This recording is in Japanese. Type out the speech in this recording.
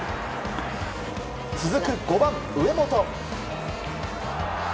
続く５番、上本。